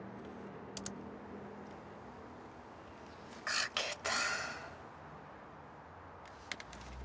書けた。